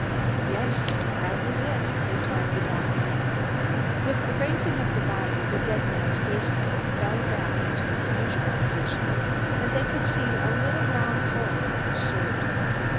"Yes, that was it," replied the doctor. With the raising of the body the dead man's waistcoat fell back into its usual position, and they could see a little round hole in his shirt.